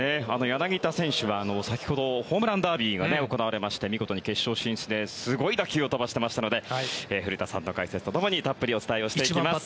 柳田選手は先ほどホームランダービーが行われ右とに決勝進出ですごい打球を飛ばしていましたので古田さんの解説と共にたっぷりお伝えしていきます。